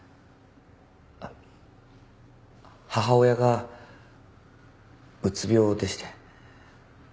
あっ母親がうつ病でして。